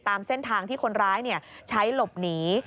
ตามเส้นทางที่คนร้ายใช้หลบหนี